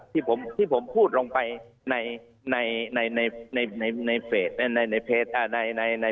ที่ผมพูดลงไปในเฟสบุ๊คเนี่ยนะ